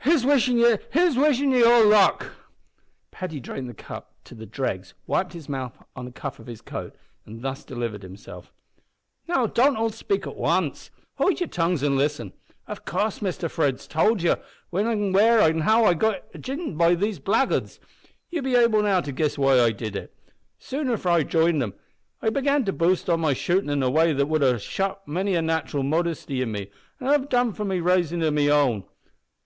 Here's wishin' ye all luck!" Paddy drained the cup to the dregs, wiped his mouth on the cuff of his coat, and thus delivered himself "Now, don't all spake at wance. Howld yer tongues an' listen. Av coorse, Muster Fred's towld ye when an' where an' how I jined the blackguards. Ye'll be able now to guess why I did it. Soon after I jined 'em I began to boast o' my shootin' in a way that would ha' shocked me nat'ral modesty av I hadn't done it for a raisin o' me own.